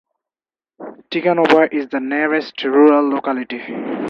Tiganovo is the nearest rural locality.